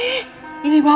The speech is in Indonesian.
eh ini bapak